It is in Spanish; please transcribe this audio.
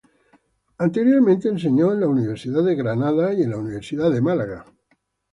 Anteriormente, enseñó en la Universidad de Michigan y en la Universidad de Columbia.